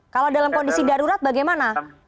kalau dalam kondisi darurat bagaimana